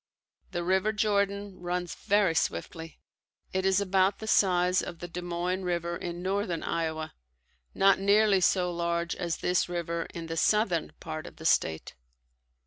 The River Jordan runs very swiftly. It is about the size of the Des Moines river in northern Iowa, not nearly so large as this river in the southern part of the state.